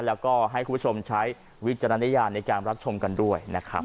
แล้วก็ให้คุณผู้ชมใช้วิจารณญาณในการรับชมกันด้วยนะครับ